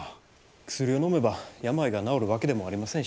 薬をのめば病が治るわけでもありませんしね。